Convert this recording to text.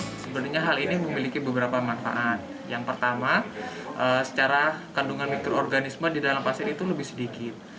sebenarnya hal ini memiliki beberapa manfaat yang pertama secara kandungan mikroorganisme di dalam pasir itu lebih sedikit